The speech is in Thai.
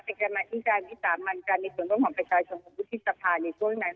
เป็นกรรมนาธิกายที่สามัญภาคมันก็มีส่วนต้นของประชาชนมุษยศาพน์ในช่วงนั้น